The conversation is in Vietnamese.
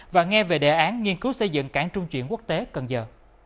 và nghe về đề án nghiên cứu xây dựng cảng trung chuyển quốc tế cần giờ